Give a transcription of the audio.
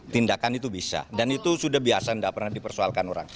tindakan itu bisa dan itu sudah biasa tidak pernah dipersoalkan orang